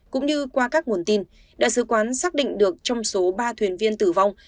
cũng như qua các nguồn tin đại sứ quán xác định được trong số ba thuyền viên tử vong